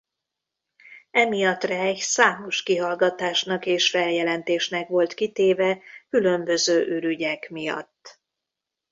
Emiatt Reich számos kihallgatásnak és feljelentésnek volt kitéve különböző ürügyek miatt.